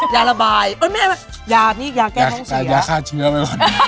ยาระบายเอ้ยแม่ยานี่ยาแก้ท้องเสียยาฆ่าเชื้อไปก่อน